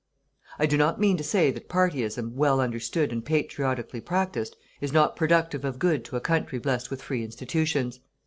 I do not mean to say that partyism, well understood and patriotically practiced, is not productive of good to a country blessed with free institutions.